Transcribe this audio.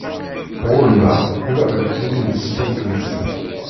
Ɣullen-aɣ ula deg tili n teslent-nsen.